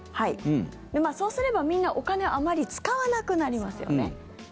そうすればみんなお金をあまり使わなくなりますよね。